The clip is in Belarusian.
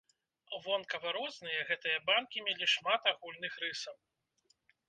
Вонкава розныя, гэтыя банкі мелі шмат агульных рысаў.